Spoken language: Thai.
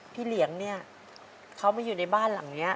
เหลียงเนี่ยเขามาอยู่ในบ้านหลังนี้